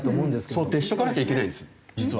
想定しとかなきゃいけないんです実は。